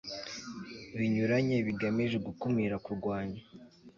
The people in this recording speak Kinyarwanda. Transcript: binyuranye bigamije gukumira kurwanya